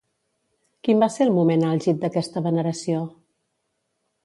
Quin va ser el moment àlgid d'aquesta veneració?